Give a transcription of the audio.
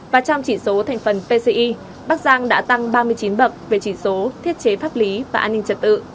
và trong chỉ số thành phần pci bắc giang đã tăng ba mươi chín bậc về chỉ số thiết chế pháp lý và an ninh trật tự